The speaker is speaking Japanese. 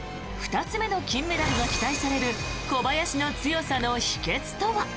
２つ目の金メダルが期待される小林の強さの秘けつとは。